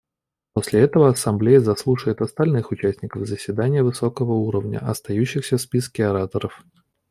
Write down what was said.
После этого Ассамблея заслушает остальных участников заседания высокого уровня, остающихся в списке ораторов.